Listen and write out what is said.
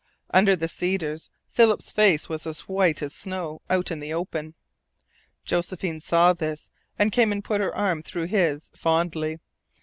Under the cedars Philip's face was as white as the snow out in the open. Josephine saw this, and came and put her arm through his fondly.